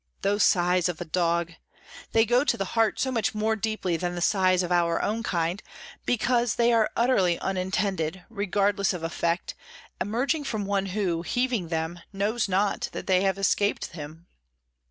Those sighs of a dog! They go to the heart so much more deeply than the sighs of our own kind, because they are utterly unintended, regardless of effect, emerging from one who, heaving them, knows not that they have escaped him!